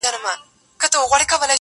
زه به ستا هېره که په یاد یم!!